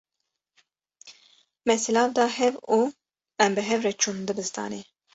Me silav da hev û em bi hev re çûn dibistanê.